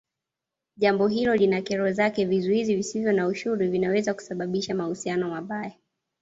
Jambo hilo lina kero zake vizuizi visovyo na ushuru vinaweza kusababisha mahusiano mabaya